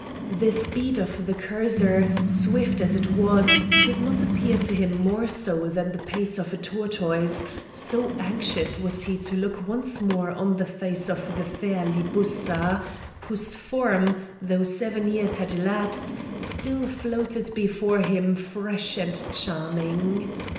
The speed of the courser, swift as it was, did not appear to him more so than the pace of a tortoise, so anxious was he to look once more on the face of the fair Libussa, whose form, though seven years had elapsed, still floated before him fresh and charming.